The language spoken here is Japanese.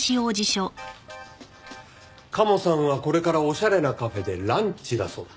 鴨さんはこれからおしゃれなカフェでランチだそうだ。